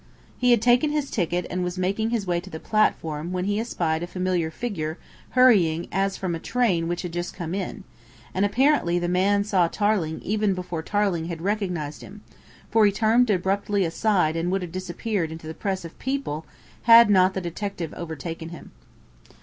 He had taken his ticket and was making his way to the platform when he espied a familiar figure hurrying as from a train which had just come in, and apparently the man saw Tarling even before Tarling had recognised him, for he turned abruptly aside and would have disappeared into the press of people had not the detective overtaken him.